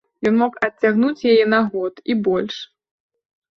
Ён мог адцягнуць яе на год і больш.